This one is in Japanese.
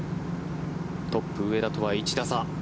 トップ、上田とは１打差。